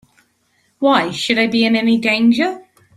Why should I be in any danger?